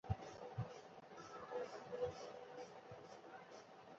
霍尔茨高是奥地利蒂罗尔州罗伊特县的一个市镇。